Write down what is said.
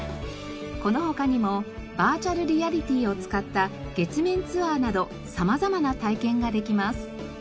この他にもバーチャルリアリティーを使った月面ツアーなど様々な体験ができます。